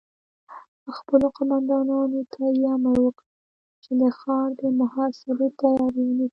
خپلو قوماندانانو ته يې امر وکړ چې د ښار د محاصرې تياری ونيسي.